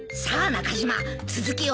中島続きを話せ。